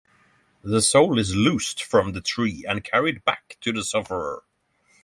The soul is loosed from the tree and carried back to the sufferer.